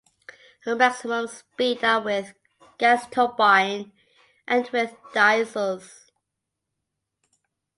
Her maximum speed are with gas turbine and with diesels.